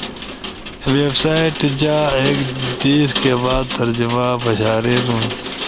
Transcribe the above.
ویب سائٹ جا ایک دھیس کے بعد ترجمہ پشارینُو۔